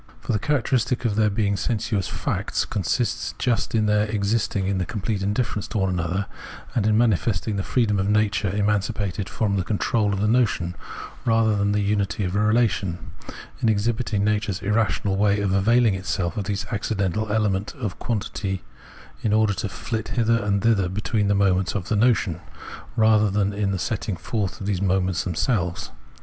For the characteristic of their being sensuous facts consists just in their existing in complete indifference to one another, and in manifesting the freedom of nature emancipated from the control of the notion, rather than the unity of a relation — in exhibiting nature's irrational way of availing itself of the accidental element of quantity in order to flit hither and thither between the moments of the notion, rather than in setting forth these moments them selves.